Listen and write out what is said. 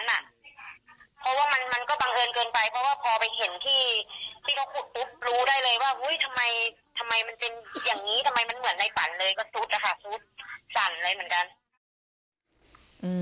เพราะว่ามันมันก็บังเอิญเกินไปเพราะว่าพอไปเห็นที่ที่เขาขุดปุ๊บรู้ได้เลยว่าอุ้ยทำไมทำไมมันเป็นอย่างงี้ทำไมมันเหมือนในฝันเลยก็ซุดอะค่ะซุดสั่นเลยเหมือนกัน